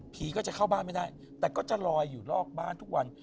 ก็จะเข้าบ้านไม่ได้แต่ก็จะลอยอยู่นอกบ้านทุกวัน